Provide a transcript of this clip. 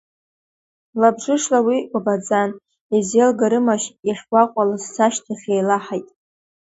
Лабжышла уи кәабаӡан, изеилгарымашь, иахьгәаҟуа лассы, ашьҭахь еилаҳаит…